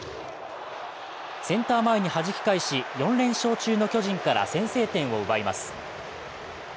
センター前にはじき返し４連勝中の巨人から先制点を奪います。